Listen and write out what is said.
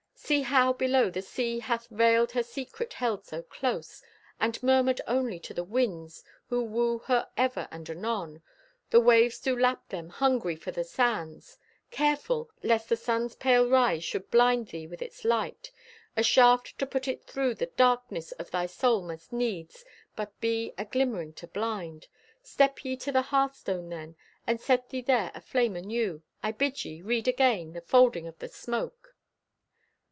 See how, below, the sea hath veiled Her secret held so close, And murmured only to the winds Who woo her ever and anon. The waves do lap them, hungry for the sands. Careful! Lest the sun's pale rise Should blind thee with its light. A shaft to put it through The darkness of thy soul must needs But be a glimmering to blind. Step ye to the hearthstone then, And set thee there a flame anew. I bid ye read again The folding of the smoke.